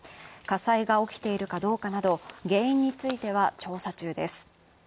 火災が起きているかどうかなど、原因については調査中です。